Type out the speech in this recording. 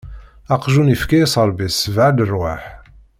Aqjun ifka-yas Ṛebbi sebɛa leṛwaḥ.